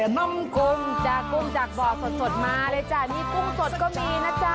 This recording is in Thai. น่องกุ้งจ้ะกุ้งจากบ่อสดมาเลยจ้ะนี่กุ้งสดก็มีนะจ๊ะ